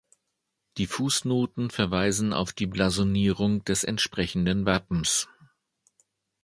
Die Fußnoten verweisen auf die Blasonierung des entsprechenden Wappens.